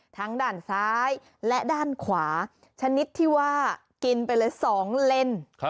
ทั้งด้านซ้ายและด้านขวาชนิดที่ว่ากินไปเลย๒เลน